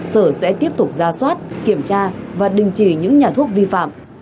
sở sẽ tiếp tục ra soát kiểm tra và đình chỉ những nhà thuốc vi phạm